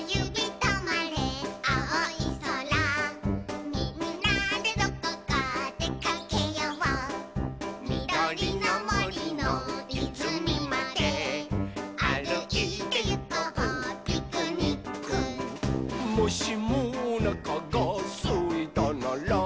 とまれあおいそら」「みんなでどこかでかけよう」「みどりのもりのいずみまであるいてゆこうピクニック」「もしもおなかがすいたなら」